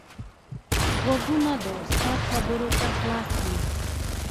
غوږونه د استاد خبرو ته خلاص وي